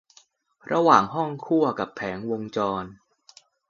ระหว่างห้องคั่วกับแผงวงจร